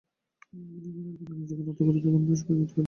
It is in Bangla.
বিনয় গোরার কাছে নিজেকে নত করিতে কোনোদিন সংকোচ বোধ করে নাই।